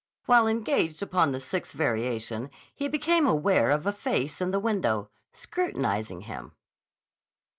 While engaged upon the sixth variation he became aware of a face in the window, scrutinizing him.